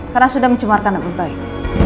karena sudah mencemarkan nama baik